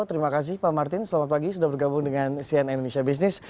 terima kasih pak martin selamat pagi sudah bergabung dengan cn indonesia business